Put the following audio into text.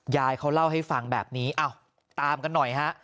ยายเขาเล่าให้ฟังแบบนี้อ้าวตามกันหน่อยฮะ